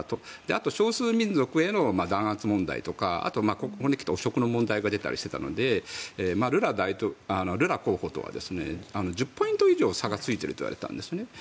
あと、少数民族への弾圧問題とかあと、ここに来て汚職の問題が出てきたりしていたのでルラ候補とは１０ポイント以上差がついているといわれていたんですね。